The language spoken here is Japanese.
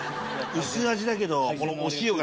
薄味だけどこのお塩が。